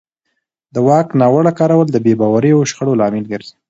د واک ناوړه کارول د بې باورۍ او شخړو لامل ګرځي